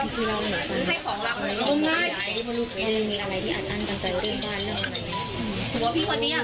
ลูกเผยของพี่คนนี้เหรอ